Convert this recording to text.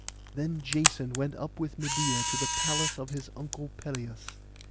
Then Jason went up with Medeia to the palace of his uncle Pelias.